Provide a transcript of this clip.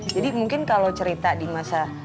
jadi mungkin kalau cerita di masa